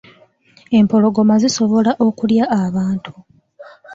Empologoma zisobola okulya abantu.